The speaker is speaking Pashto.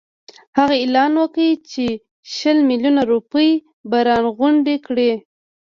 هغه اعلان وکړ چې شل میلیونه روپۍ به راغونډي کړي.